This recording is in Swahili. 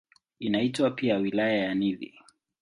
Inaitwa pia "Wilaya ya Nithi".